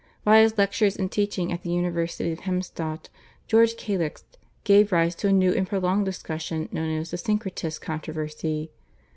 By his lectures and teaching at the University of Hemstadt George Calixt gave rise to a new and prolonged discussion known as the /Syncretist/ controversy.